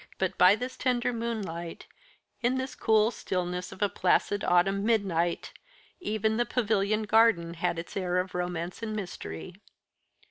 But by this tender moonlight, in this cool stillness of a placid autumn midnight, even the Pavilion garden had its air of romance and mystery.